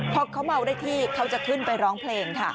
พอเขาเมาได้ที่เขาจะขึ้นไปร้องเพลงค่ะ